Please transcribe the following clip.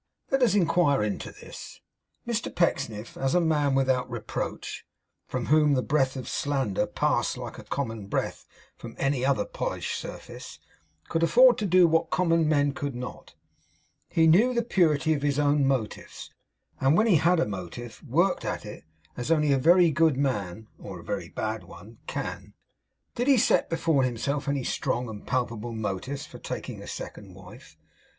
Let us inquire into this. Mr Pecksniff, as a man without reproach, from whom the breath of slander passed like common breath from any other polished surface, could afford to do what common men could not. He knew the purity of his own motives; and when he had a motive worked at it as only a very good man (or a very bad one) can. Did he set before himself any strong and palpable motives for taking a second wife?